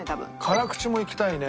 辛口もいきたいね。